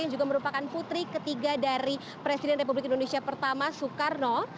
yang juga merupakan putri ketiga dari presiden republik indonesia pertama soekarno